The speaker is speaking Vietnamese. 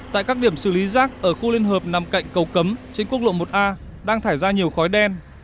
tại các điểm xử lý rác ở khu liên hợp nằm cạnh cầu cấm trên quốc lộ một a đang thải ra nhiều khói đen